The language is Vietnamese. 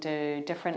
dễ dàng hơn